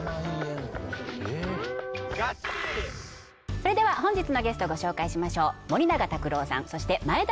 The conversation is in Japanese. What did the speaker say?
それでは本日のゲストご紹介しましょう森永卓郎さんそして眞栄田